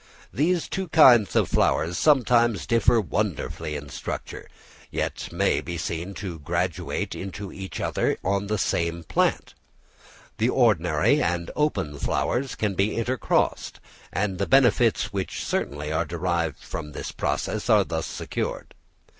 These two kinds of flowers sometimes differ wonderfully in structure, yet may be seen to graduate into each other on the same plant. The ordinary and open flowers can be intercrossed; and the benefits which certainly are derived from this process are thus secured.